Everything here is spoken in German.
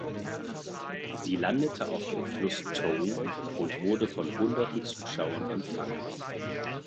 Sie landete auf dem Fluss Tone und wurde von hunderten Zuschauern empfangen.